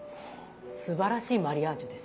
すばらしいマリアージュです。